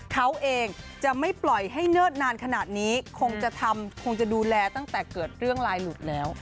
เขาเองจะไม่ปล่อยให้เนิดนานขนาดนี้คงจะทำคงจะดูแลตั้งแต่เกิดเรื่องลายหลุดแล้ว